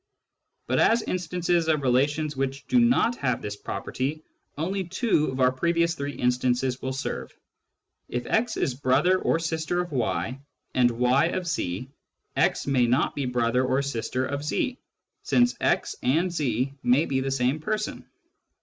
But as instances of relations which do not have this property only two of our previous three instances will serve. If x is brother or sister of y, and y ot z, x may not be brother or sister of z, since x and z may be the same person.